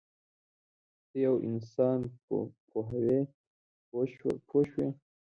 ته یو انسان پوهوې پوه شوې!.